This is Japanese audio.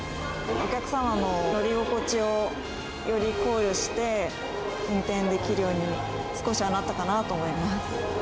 お客様の乗り心地をより考慮して、運転できるように少しはなったかなと思います。